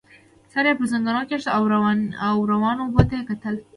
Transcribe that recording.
سر يې پر زنګنو کېښود او روانو اوبو ته يې کتل.